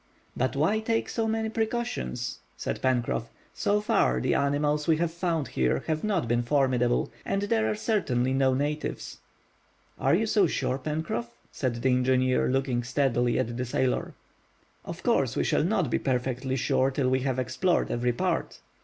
"But why take so many precautions?" said Pencroff. "So far, the animals we have found here have not been formidable; and there are certainly no natives." "Are you so sure, Pencroff?" said the engineer, looking steadily at the sailor. "Of course we shall not be perfectly sure till we have explored every part."